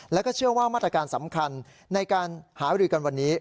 แล้วก็เชื่อว่ามาตรการสำคัญในการหารือกันวันนี้